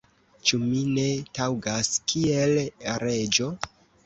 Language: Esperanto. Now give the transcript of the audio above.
ĉu mi ne taŭgas kiel reĝo?